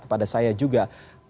kepada saya juga